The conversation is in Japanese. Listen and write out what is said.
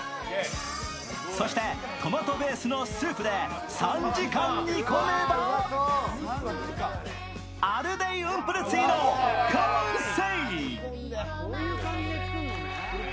そして、トマトベースのスープで３時間煮込めばアルデイ・ウンプルツィの完成。